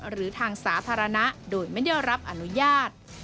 หรือทางสาธารณะโดยไม่ได้รับอนุญาต